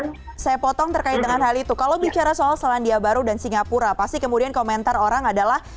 oke saya potong terkait dengan hal itu kalau bicara soal selandia baru dan singapura pasti kemudian komentar orang adalah